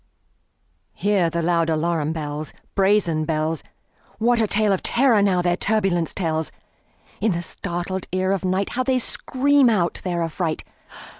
Hear the loud alarum bells, Brazen bells! What a tale of terror, now, their turbulency tells! In the startled ear of nightHow they scream out their affright!